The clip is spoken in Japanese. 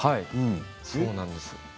そうなんです。